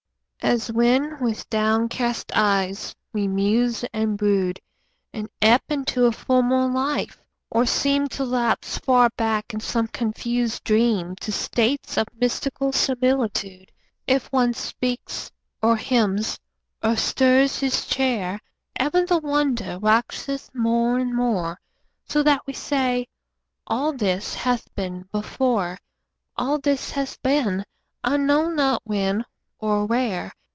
As when with downcast eyes we muse and brood, And ebb into a former life, or seem To lapse far back in some confused dream To states of mystical similitude; If one but speaks or hems or stirs his chair, Ever the wonder waxeth more and more, So that we say, "All this hath been before, All this hath been, I know not when or where".